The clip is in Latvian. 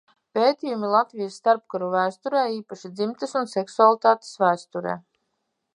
Pētījumi Latvijas starpkaru vēsturē, īpaši dzimtes un seksualitātes vēsturē.